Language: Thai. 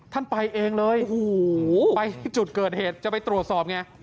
ท่านไปเองเลยไปจุดเกิดเหตุจะไปตรวจสอบไง